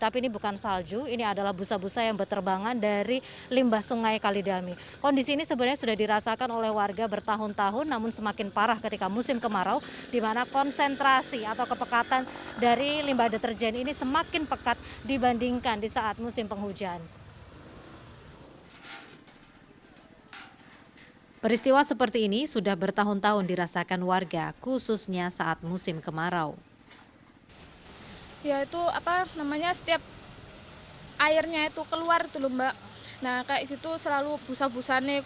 peristiwa seperti ini sudah bertahun tahun dirasakan warga khususnya saat musim kemarau